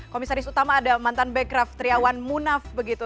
komisaris utama ada mantan bekraf triawan munaf begitu